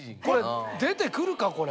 これ出てくるか？